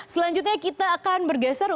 selanjutnya kita akan bergeser